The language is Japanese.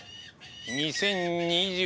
２０２２年